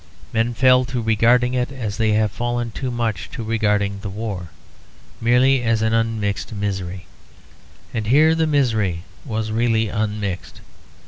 Men fell to regarding it, as they have fallen too much to regarding the war, merely as an unmixed misery, and here the misery was really unmixed.